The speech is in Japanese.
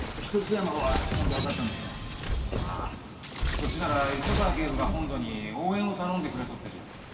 そっちなら磯川警部が本土に応援を頼んでくれとってじゃ。